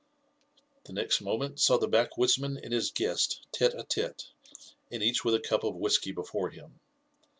The next moment saw the back woodsman and his gucsi teied iete^ and each with a cup of whisky before him.